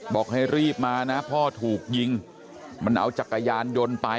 บอกให้รีบมานะพ่อถูกยิงมันเอาจักรยานยนต์ไป